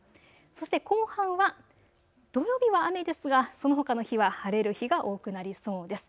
そして後半は土曜日は雨ですがそのほかの日は晴れる日が多くなりそうです。